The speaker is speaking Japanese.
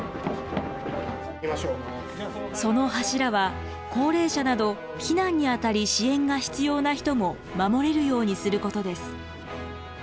その柱は高齢者など避難にあたり支援が必要な人も守れるようにすることです。